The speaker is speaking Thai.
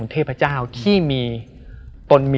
เพื่อที่จะให้แก้วเนี่ยหลอกลวงเค